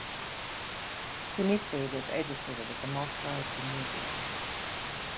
Dimitrije was educated at Mostar Gymnasium.